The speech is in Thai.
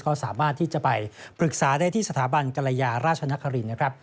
ก็สามารถที่จะไปปรึกษาได้ที่สถาบันกรยาราชนครินนะครับ